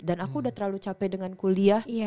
dan aku udah terlalu capek dengan kuliah